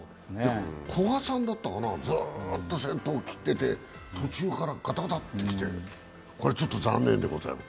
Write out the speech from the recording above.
古賀さんだったかな、ずっと先頭切ってて、途中からガタガタっと来て、これはちょっと残念でございます。